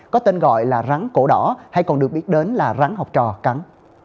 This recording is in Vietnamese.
có tên gọi là rắn cổ đỏ hay còn được biết đến là rắn học trò cắn